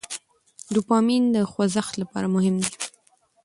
ډوپامین د خوځښت لپاره مهم دی.